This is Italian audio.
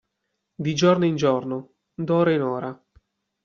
Di giorno in giorno, d'ora in ora.